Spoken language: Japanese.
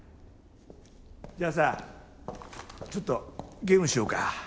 じゃあさちょっとゲームしようか。